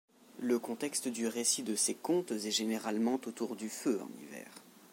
Le contexte du récit de ces contes est généralement autour du feu en hiver.